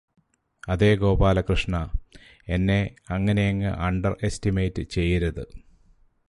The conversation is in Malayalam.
അതേ ഗോപാലകൃഷ്ണാ എന്നെ അങ്ങനെയങ്ങ് അണ്ടർ എസ്റ്റിമേറ്റ് ചെയ്യരുത്